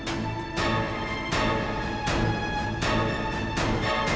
itu pertiga didalam dengani carl